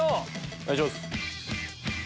お願いします。